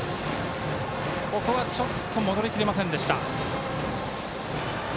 ここは、ちょっと戻りきれませんでした。